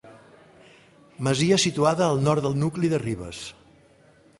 Masia situada al nord del nucli de Ribes.